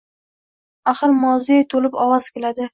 Axir moziy to‘lib ovoz keladi.